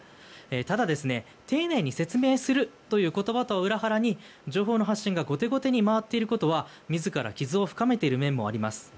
ただ、丁寧に説明するという言葉とは裏腹に情報の発信が後手後手に回っていることは自ら傷を深めていることになります。